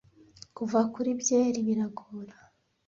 Kuva kuri byeri biragora